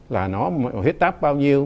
là nó huyết tác bao nhiêu